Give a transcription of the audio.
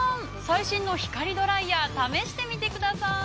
最新の光ドライヤー試してみてください。